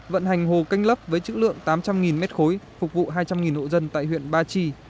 vận hành hồ canh lấp với chữ lượng tám trăm linh m ba phục vụ hai trăm linh hộ dân tại huyện ba chi